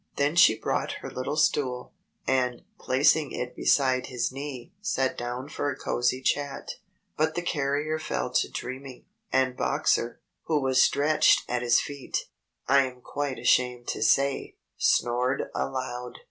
Then she brought her little stool and, placing it beside his knee, sat down for a cozy chat. But the carrier fell to dreaming, and Boxer, who was stretched at his feet, I am quite ashamed to say, snored aloud.